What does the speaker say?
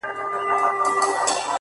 • زه به څرنگه دوږخ ته ور روان سم,